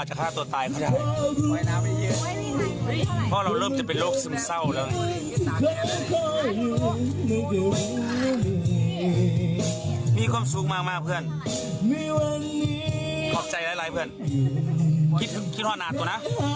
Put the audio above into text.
รักเพื่อนเสมอเพื่อนที่จริงใจต่อกัน